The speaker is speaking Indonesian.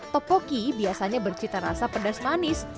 topoki biasanya bercita rasa pedas manis